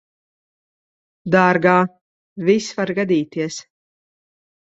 Dārgā, viss var gadīties.